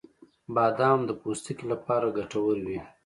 • بادام د پوستکي لپاره ګټور وي.